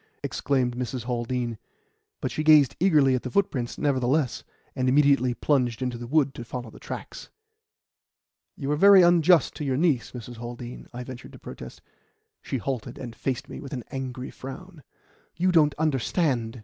exclaimed Mrs. Haldean; but she gazed eagerly at the footprints, nevertheless, and immediately plunged into the wood to follow the tracks. "You are very unjust to your niece, Mrs. Haldean," I ventured to protest. She halted, and faced me with an angry frown. "You don't understand!"